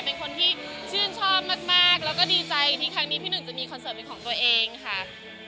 เป็นคนที่ชื่นชอบมากแล้วก็ดีใจที่ครั้งนี้พี่หนึ่งจะมีคอนเสิร์ตเป็นของตัวเองค่ะ